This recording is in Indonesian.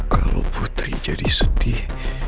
kalau putri jadi sedih